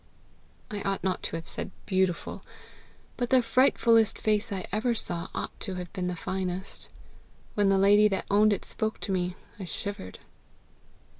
"I ought not to have said BEAUTIFUL. But the frightfullest face I ever saw ought to have been the finest. When the lady that owned it spoke to me, I shivered."